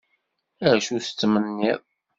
Acu tettmenniḍ?